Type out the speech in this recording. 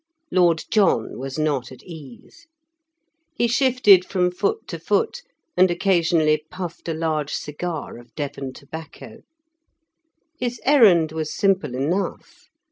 Lord John was not at ease. He shifted from foot to foot, and occasionally puffed a large cigar of Devon tobacco. His errand was simple enough.